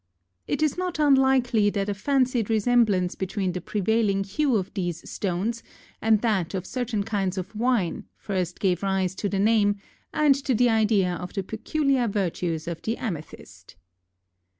It is not unlikely that a fancied resemblance between the prevailing hue of these stones and that of certain kinds of wine first gave rise to the name and to the idea of the peculiar virtues of the amethyst.